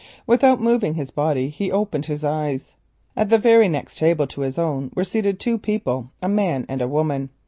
Without moving his body he opened his eyes. At the very next table to his own were seated two people, a man and a woman.